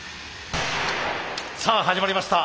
さあ始まりました。